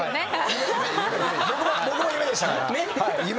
僕も夢でしたから。